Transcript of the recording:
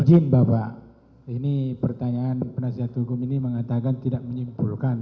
izin bapak ini pertanyaan penasihat hukum ini mengatakan tidak menyimpulkan